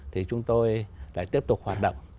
thì chúng tôi lại tiếp tục hoạt động